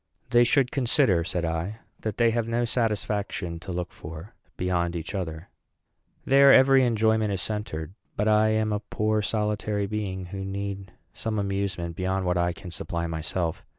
"They should consider," said I, "that they have no satisfaction to look for beyond each other; there every enjoyment is centred; but I am a poor solitary being, who need some amusement beyond what I can supply myself.